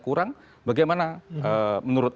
kurang bagaimana menurut